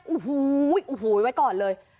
อู่ฮู้เข้าไปก่อนเลย